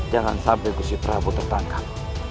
jangan sampai gusi prabu tertangkap